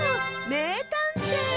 めいたんてい！